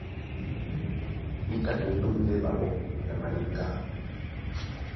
Níka e lóndɛ́ ɓaɓɔ́ na maliŋgá.